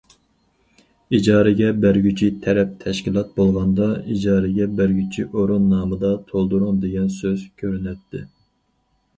ئىجارىگە بەرگۈچى تەرەپ« تەشكىلات» بولغاندا، ئىجارىگە بەرگۈچى ئورۇن نامىدا« تولدۇرۇڭ» دېگەن سۆز كۆرۈنەتتى.